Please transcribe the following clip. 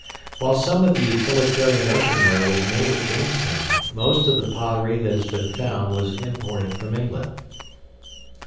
While some of the utilitarian earthenware was made at Jamestown, most of the pottery that has been found was imported from England.